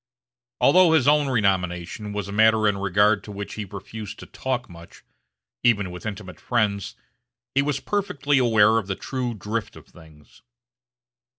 Although his own renomination was a matter in regard to which he refused to talk much, even with intimate friends, he was perfectly aware of the true drift of things.